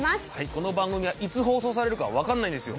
この番組はいつ放送されるかわかんないんですよ。